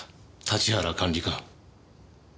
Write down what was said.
立原管理官。